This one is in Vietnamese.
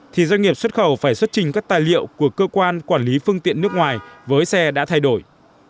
thì doanh nghiệp xuất khẩu phải xuất trình các tài liệu của cơ quan quản lý phương tiện nước ngoài với xe đã thay đổi